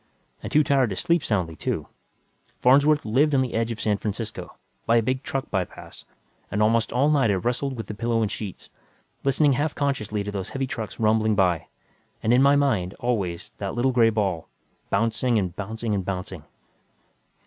And too tired to sleep soundly, too. Farnsworth lived on the edge of San Francisco, by a big truck by pass, and almost all night I wrestled with the pillow and sheets, listening half consciously to those heavy trucks rumbling by, and in my mind, always, that little gray ball, bouncing and bouncing and bouncing....